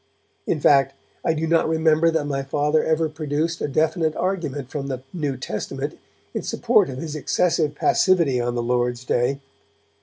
In fact, I do not remember that my Father ever produced a definite argument from the New Testament in support of his excessive passivity on the Lord's Day.